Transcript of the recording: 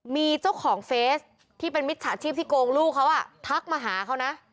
มีเจ้าของเฟสที่เป็นมิจฉาชีพที่โกงลูกเขาทักมาหาเขานะ